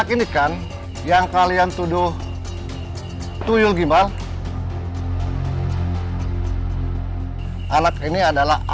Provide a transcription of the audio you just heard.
cinggahan buka lah